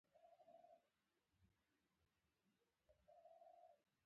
ګلاب د تصور ښکلی تعبیر دی.